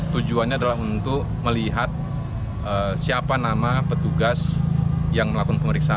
tujuannya adalah untuk melihat siapa nama petugas yang melakukan pemeriksaan